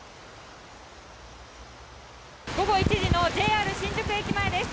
午後１時のＪＲ新宿駅前です。